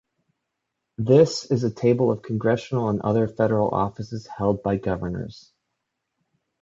This is a table of congressional and other federal offices held by governors.